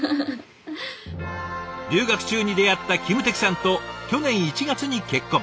留学中に出会ったキム・テキさんと去年１月に結婚。